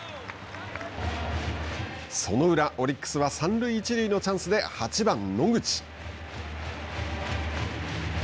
その裏オリックスは三塁一塁のチャンスで８番野口。